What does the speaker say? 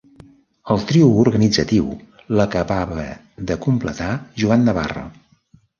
El trio organitzatiu l'acabava de completar Joan Navarro.